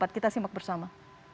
kita simak bersama